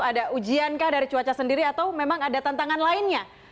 ada ujian kah dari cuaca sendiri atau memang ada tantangan lainnya